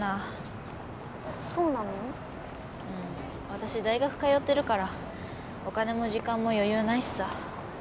私大学通ってるからお金も時間も余裕ないしさ。